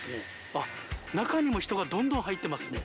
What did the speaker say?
あっ、中にも人がどんどん入っています。